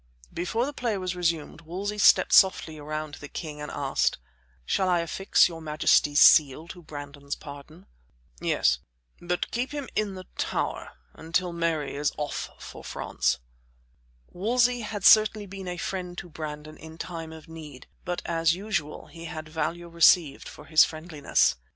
Before the play was resumed Wolsey stepped softly around to the king and asked: "Shall I affix your majesty's seal to Brandon's pardon?" "Yes, but keep him in the Tower until Mary is off for France." Wolsey had certainly been a friend to Brandon in time of need, but, as usual, he had value received for his friendliness.